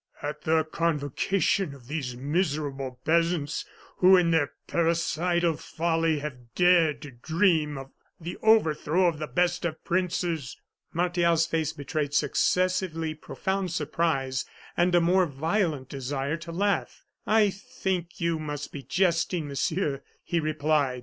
"At the convocation of these miserable peasants who, in their parricidal folly, have dared to dream of the overthrow of the best of princes!" Martial's face betrayed successively profound surprise, and a more violent desire to laugh. "I think you must be jesting, Monsieur," he replied.